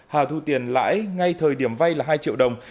hà thu tiền lãi ngay thời điểm vay là hai triệu đồng